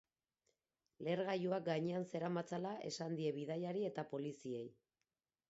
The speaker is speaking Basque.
Lehergailuak gainean zeramatzala esan die bidaiari eta poliziei.